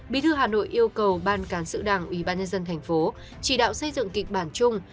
bí thư hà nội yêu cầu ban cán sự đảng ubnd tp chỉ đạo xây dựng kịch bản chung